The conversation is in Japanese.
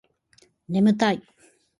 ねむたい